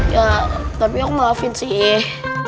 ya tapi aku ngelafin sih